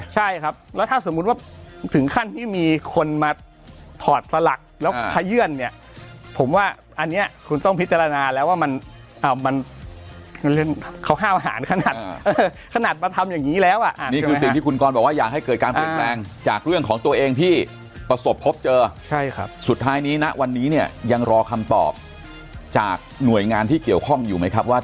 ใช่ครับแล้วถ้าสมมุติว่าถึงขั้นที่มีคนมาถอดสลักแล้วพยื่นเนี่ยผมว่าอันเนี้ยคุณต้องพิจารณาแล้วว่ามันเอามันเล่นเค้าห้าวอาหารขนาดเออขนาดมาทำอย่างงี้แล้วอ่ะนี่คือสิ่งที่คุณก้อนบอกว่าอยากให้เกิดการพลังแรงจากเรื่องของตัวเองที่ประสบพบเจอใช่ครับสุดท้ายนี้นะวันนี้เนี่ยยังรอคำตอบ